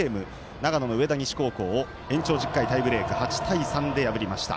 長野の上田西高校を延長１０回タイブレーク８対３で破りました。